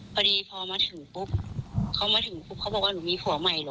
พอดีพอมาถึงปุ๊บเขามาถึงปุ๊บเขาบอกว่าหนูมีผัวใหม่เหรอ